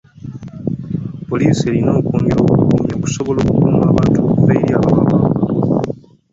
Poliisi erina okwongera obukuumi okusobola okukuuma abantu okuva eri ababawamba.